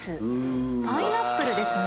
パイナップルですね。